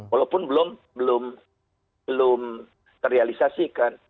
walaupun belum belum belum terrealisasikan